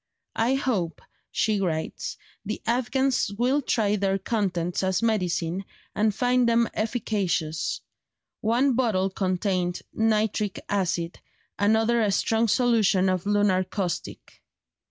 "I hope," she writes, "the Afghans will try their contents as medicine, and find them efficacious: one bottle contained nitric acid, another a strong solution of lunar caustic."